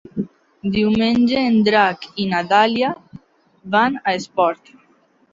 Diumenge en Drac i na Dàlia van a Espot.